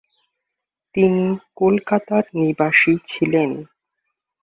তিনি কলকাতার নিবাসী ছিলেন।